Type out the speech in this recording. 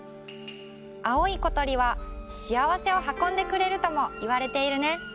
青いことりはしあわせをはこんでくれるともいわれているね。